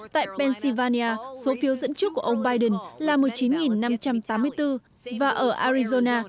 tại pennsylvania số phiếu dẫn trước của ông biden là một mươi chín năm trăm tám mươi bốn và ở arizona